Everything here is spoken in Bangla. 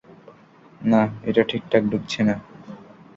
না, এটা ঠিকঠাক ঢুকছে না।